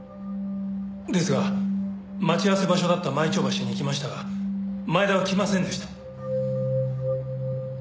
ですが待ち合わせ場所だった舞澄橋に行きましたが前田は来ませんでした。